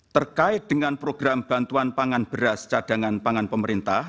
terkait dengan program bantuan pangan beras cadangan pangan pemerintah